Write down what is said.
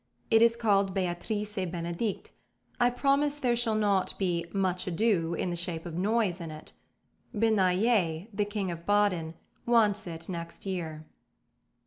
It is called Béatrice et Bénédict; I promise there shall not be 'much ado' in the shape of noise in it. Benayet, the King of Baden, wants it next year."